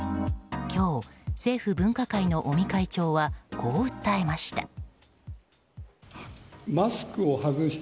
今日、政府分科会の尾身会長はこう訴えました。